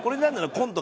コント。